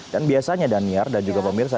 dan biasanya daniar dan juga pemirsa